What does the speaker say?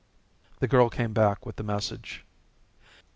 The girl came back with the message.